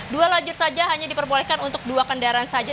dua lajur saja hanya diperbolehkan untuk dua kendaraan saja